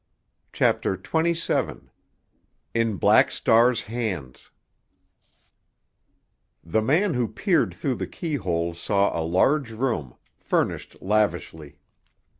CHAPTER XXVII—IN BLACK STAR'S HANDS The man who peered through the keyhole saw a large room, furnished lavishly.